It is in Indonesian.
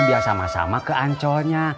dia sama sama ke ancolnya